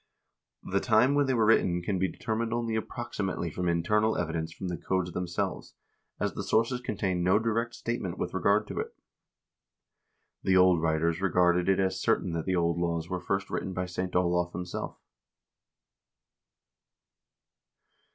The time when they were written can be determined only approximately from internal evidence from the codes themselves, as the sources contain no direct statement with regard to it. The old writers regarded it as certain that the old laws were first written by St. Olav himself.